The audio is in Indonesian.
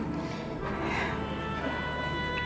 ibu mengerti sayang